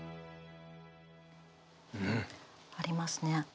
うん。ありますね。